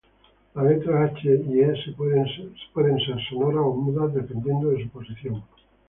Las letras h y e pueden ser sonoras o mudas dependiendo de su posición.